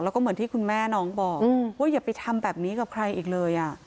แล้วก็เหมือนที่คุณแม่น้องบอกว่าอย่าไปทำแบบนี้กับใครอีกเลย